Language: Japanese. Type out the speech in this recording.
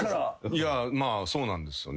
いやまあそうなんですよね。